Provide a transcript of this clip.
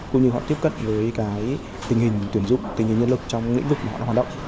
cũng như họ tiếp cận với tình hình tuyển dụng tình hình nhân lực trong lĩnh vực mà họ đã hoạt động